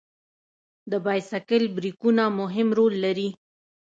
د بایسکل بریکونه مهم رول لري.